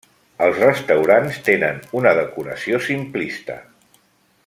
Els restaurants tenen una decoració simplista.